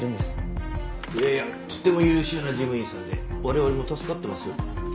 いやいやとても優秀な事務員さんで我々も助かってますよ。